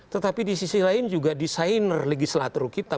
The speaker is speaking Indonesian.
tetapi di sisi lain juga desainer legislator kita